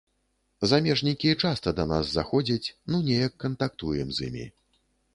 Замежнікі часта да нас заходзяць, ну неяк кантактуем з імі.